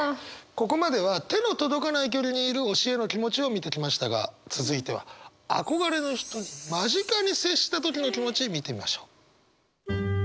ここまでは手の届かない距離にいる推しへの気持ちを見てきましたが続いては憧れの人に間近に接した時の気持ち見てみましょう。